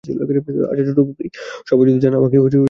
আচ্ছা ছোটোখুকি, সবই যদি জান, আমাকে জিজ্ঞাসা করা কেন?